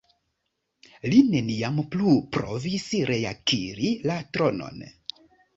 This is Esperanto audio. Li neniam plu provis reakiri la tronon.